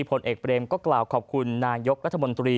พลเอกเปรยุจจันทร์โอชานายกรัฐมนตรีพลเอกเปรยุจจันทร์โอชานายกรัฐมนตรี